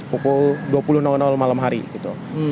pukul dua puluh malam hari gitu